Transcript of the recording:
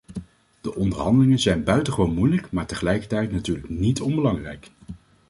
De onderhandelingen zijn buitengewoon moeilijk maar tegelijkertijd natuurlijk niet onbelangrijk.